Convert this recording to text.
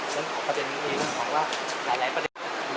ตอนนี้ก็อยากเรียกไปเรื่องพิมพ์